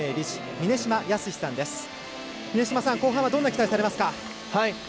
峰島さん、後半はどんな期待されますか。